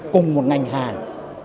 cùng một ngành hàng